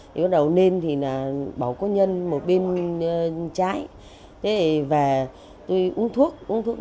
bắt đầu nên thì bảo có nhân ở bên trái tôi uống thuốc